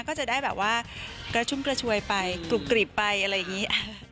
ก็จะได้แบบว่ากระชุ่มกระชวยไปกรุบกรีบไปอะไรอย่างนี้